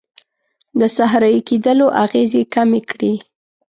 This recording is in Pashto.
د صحرایې کیدلو اغیزې کمې کړي.